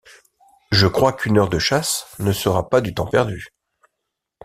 Je crois qu’une heure de chasse ne sera pas du temps perdu.